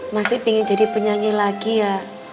masih ingin jadi penyanyi lagi ya